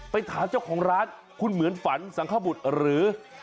ไปถามเจ้าของร้านคุณเหมือนฝันสังขบุตรหรือ